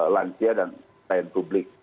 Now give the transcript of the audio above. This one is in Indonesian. lansia dan plan publik